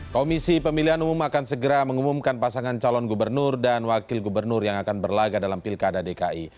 komisi pemilihan umum akan segera mengumumkan pasangan calon gubernur dan wakil gubernur yang akan berlaga dalam pilkada dki